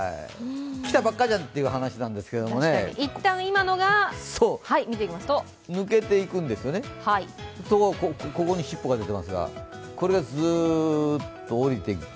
きたばっかじゃんっていう話なんですけどね一旦、今のが抜けていくんですよね、ここにしっぽが出ていますが、これがすーっと下りてきて。